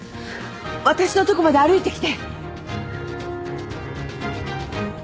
私のとこまで歩いてきて。